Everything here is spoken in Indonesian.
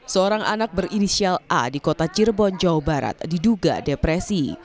seorang anak berinisial a di kota cirebon jawa barat diduga depresi